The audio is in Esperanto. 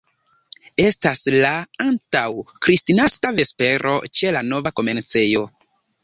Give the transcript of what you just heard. Estas la antaŭ-Kristnaska vespero ĉe la nova komercejo.